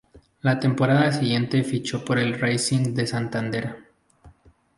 La temporada siguiente fichó por el Racing de Santander.